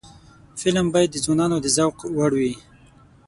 فلم باید د ځوانانو د ذوق وړ وي